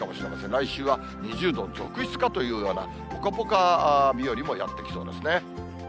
来週は２０度続出かというような、ぽかぽか日和もやって来そうですね。